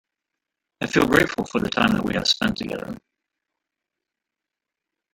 I feel grateful for the time that we have spend together.